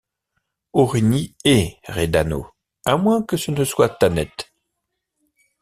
Aurigny est Redanœ, à moins que ce ne soit Thanet.